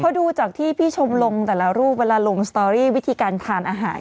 พอดูจากที่พี่ชมลงแต่ละรูปเวลาลงสตอรี่วิธีการทานอาหาร